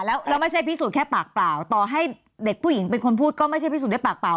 แล้วไม่ใช่พิสูจน์แค่ปากเปล่าต่อให้เด็กผู้หญิงเป็นคนพูดก็ไม่ใช่พิสูจนได้ปากเปล่า